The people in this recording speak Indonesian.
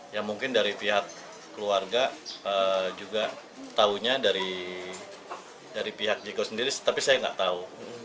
ya mungkin dari pihak keluarga juga tahunya dari pihak jiko sendiri tapi saya nggak tahu